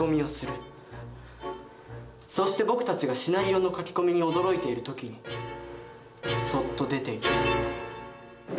そして僕たちがシナリオの書き込みに驚いている時にそっと出ていく。